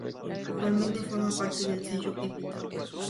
Actualmente forma parte del sello Epitaph.